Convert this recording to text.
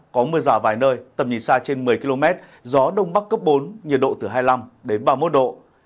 có mưa rào vài nơi tầm nhìn xa trên một mươi km gió đông bắc cấp bốn nhiệt độ từ hai mươi năm đến ba mươi một độ